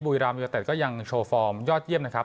รามยูเนเต็ดก็ยังโชว์ฟอร์มยอดเยี่ยมนะครับ